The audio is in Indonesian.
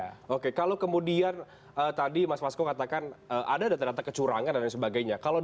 oke kalau kemudian tadi mas masko katakan ada data data kecurangan dan lain sebagainya